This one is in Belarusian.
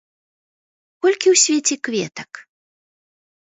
Колькі ў свеце кветак?